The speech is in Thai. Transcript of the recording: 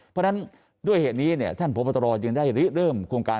เพราะฉะนั้นด้วยเหตุนี้ท่านพบตรจึงได้เริ่มโครงการ